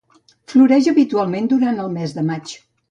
Floreix habitualment durant el mes de maig.